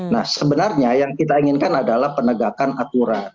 nah sebenarnya yang kita inginkan adalah penegakan aturan